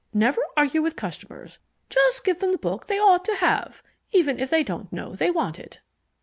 Never argue with customers. Just give them the book they ought to have even if they don't know they want it."